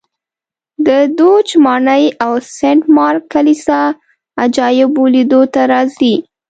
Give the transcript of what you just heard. د دوج ماڼۍ او سنټ مارک کلیسا عجایبو لیدو ته راځي